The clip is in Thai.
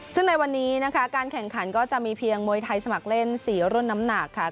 ซึ่งในวันนี้นะคะการแข่งขันก็จะมีเพียงมวยไทยสมัครเล่น๔รุ่นน้ำหนักค่ะ